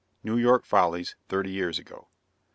NEW YORK FOLLIES THIRTY YEARS AGO.